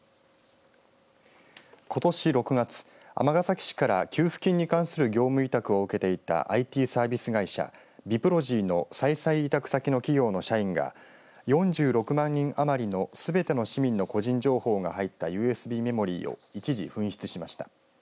ことし６月尼崎市から給付金に関する業務委託を受けていたＩＴサービス会社ＢＩＰＲＯＧＹの再々委託先の企業の社員が４６万人余りのすべての市民の個人情報が入ったＵＳＢメモリーを一時紛失しました。